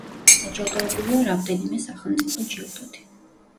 დაჯილდოებულია რამდენიმე სახელმწიფო ჯილდოთი.